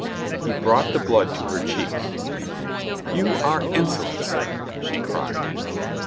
He brought the blood to her cheeks. "You are insolent, sir," she cried.